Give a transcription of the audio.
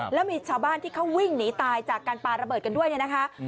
แล้วมีชาวบ้านที่เขาวิ่งหนีตายจากการปาระเบิดกันด้วยเนี่ยนะคะ